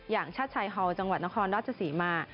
อย่างชาติชายฮอล์จังหวัดนครราชสีมา